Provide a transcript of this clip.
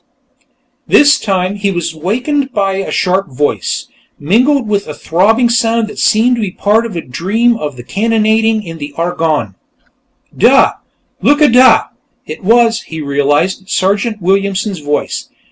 This time, he was wakened by a sharp voice, mingled with a throbbing sound that seemed part of a dream of the cannonading in the Argonne. "Dah! Look a dah!" It was, he realized, Sergeant Williamson's voice.